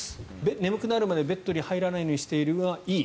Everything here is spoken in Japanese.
眠くなるまでベッドに入らないようにしているのはいい。